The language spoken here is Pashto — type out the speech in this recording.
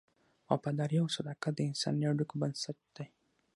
وفاداري او صداقت د انساني اړیکو بنسټ دی.